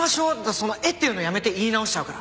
その「えっ？」っていうのやめて言い直しちゃうから。